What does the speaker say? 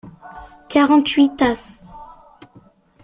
Quarante-huit tasses.